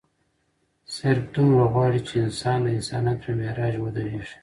صرف دومره غواړي چې انسان د انسانيت پۀ معراج اودريږي